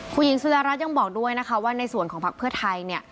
คุณหญิงสุดารัฐยังบอกด้วยนะคะว่าในส่วนของพักเพื่อไทยเนี่ย